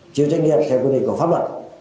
chiêu trách nhiệm theo quyền định của pháp luật